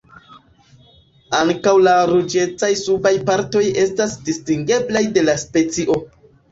Ankaŭ la ruĝecaj subaj partoj estas distingeblaj de la specio.